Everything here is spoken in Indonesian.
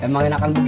makasih ya pak